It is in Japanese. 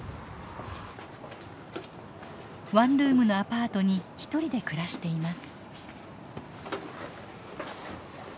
ワンルームのアパートに一人で暮らしています。